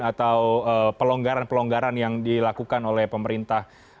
atau pelonggaran pelonggaran yang dilakukan oleh pemerintah